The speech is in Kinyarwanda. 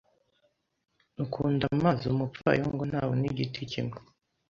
ukunda amazi Umupfayongo ntabona igiti kimwe